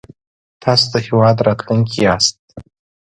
تاسو د هېواد راتلونکی ياست